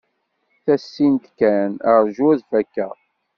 Tasint kan. Rju ad fakkeɣ.